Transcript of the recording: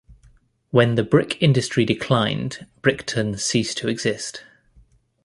When the brick industry declined, Brickton ceased to exist.